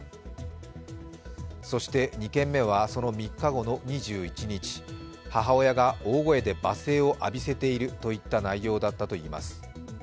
そして、２件目はその３日後の２１日母親が大声で罵声を浴びせているといった内容だったといいます。